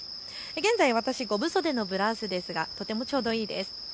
現在、私、五分袖のブラウスですがとてもちょうどいいです。